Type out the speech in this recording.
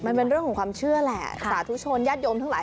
มันเป็นเรื่องของความเชื่อแหละสาธุชนญาติโยมทั้งหลาย